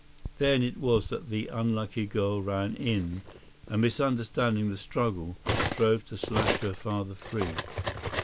Then it was that the unlucky girl ran in, and misunderstanding the struggle, strove to slash her father free.